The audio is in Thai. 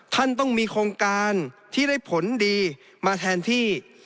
ท่านต้องมีโครงการที่ได้ผลดีมาแทนที่